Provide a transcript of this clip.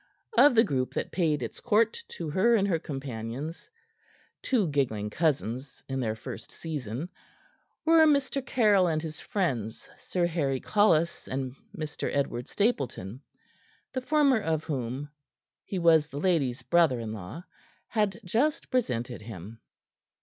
Of the group that paid its court to her and her companions two giggling cousins in their first season were Mr. Caryll and his friends, Sir Harry Collis and Mr. Edward Stapleton, the former of whom he was the lady's brother in law had just presented him.